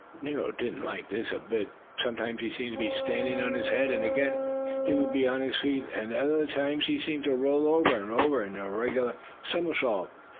Nero didn't like this a bit. Sometimes he seemed to be standing on his head, and again he would be on his feet. At other times he seemed to roll over and over in a regular somersault.